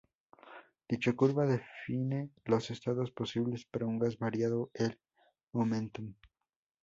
Dicha curva define los estados posibles para un gas variando el momentum.